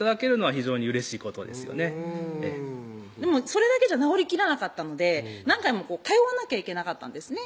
それだけじゃ治りきらなかったので何回も通わなきゃいけなかったんですね